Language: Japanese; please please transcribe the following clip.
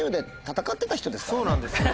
そうなんですよ。